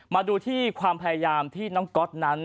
มาดูที่ความพยายามที่น้องก๊อตนั้น